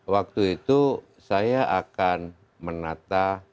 waktu itu saya akan menata